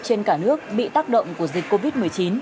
trên cả nước bị tác động của dịch covid một mươi chín